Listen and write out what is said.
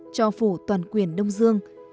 cho phủ toàn quyền đông dương